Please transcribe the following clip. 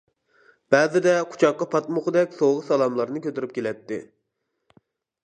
بەزىدە قۇچاققا پاتمىغۇدەك سوۋغا-سالاملارنى كۆتۈرۈپ كېلەتتى.